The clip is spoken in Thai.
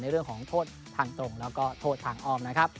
เรื่องของโทษทางตรงแล้วก็โทษทางอ้อมนะครับ